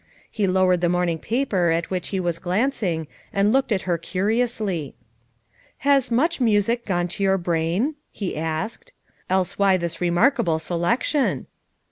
He lowered the morning paper at which he was glancing and looked at her curiously. "Has 'much music' gone to your brain?" he asked. "Else why this remarkable selec tion !"